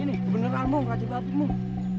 ini beneran raja babi wong